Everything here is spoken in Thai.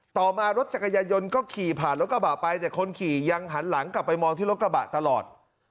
ต่อมารถจักรยายนต์ก็ขี่ผ่านรถกระบะไปแต่คนขี่ยังหันหลังกลับไปมองที่รถกระบะตลอด